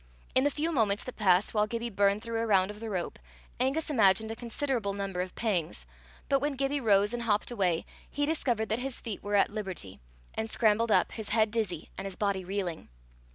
In the few moments that passed while Gibbie burned through a round of the rope, Angus imagined a considerable number of pangs; but when Gibbie rose and hopped away, he discovered that his feet were at liberty, and scrambled up, his head dizzy, and his body reeling.